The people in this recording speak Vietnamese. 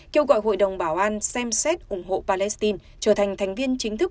kêu gọi hội đồng bảo an xem xét ủng hộ palestine trở thành thành viên chính thức